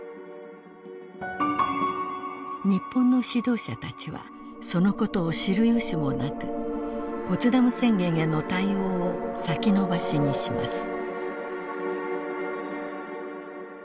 日本の指導者たちはそのことを知る由もなくポツダム宣言への対応を先延ばしにします。